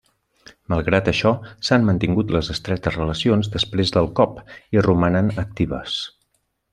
Malgrat això, s'han mantingut les estretes relacions després del cop, i romanen actives.